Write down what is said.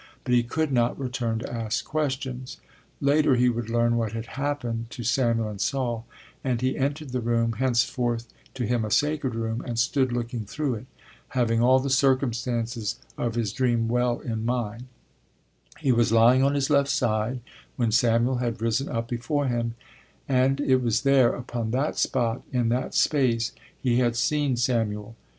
But he could not return to ask questions: later he would learn what had happened to Samuel and Saul, and he entered the room, henceforth to him a sacred room, and stood looking through it, having all the circumstances of his dream well in mind: he was lying on his left side when Samuel had risen up before him, and it was there, upon that spot, in that space he had seen Samuel.